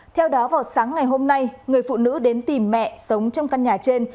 theo đó vào sáng ngày hôm nay người phụ nữ đến tìm mẹ sống trong căn nhà trên